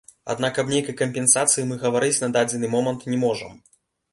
Аднак аб нейкай кампенсацыі мы гаварыць на дадзены момант не можам.